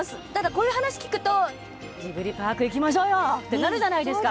こういう話、聞くとジブリパークいきましょうよ！ってなりますよね。